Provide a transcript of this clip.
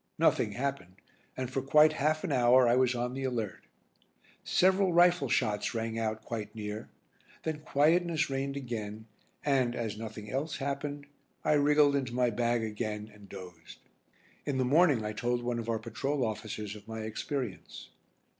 Nothing happened, and for quite half an hour I was on the alert. Several rifle shots rang out quite near, then quietness reigned again, and, as nothing else happened, I wriggled into my bag again and dozed. In the morning I told one of our patrol officers of my experience.